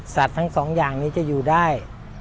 ทั้งสองอย่างนี้จะอยู่ได้